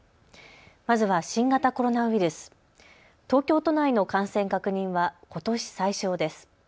まずは新型コロナウイルス、東京都内の感染確認はことし最少です。